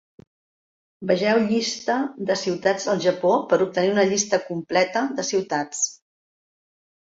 Vegeu Llista de ciutats al Japó per obtenir una llista completa de ciutats.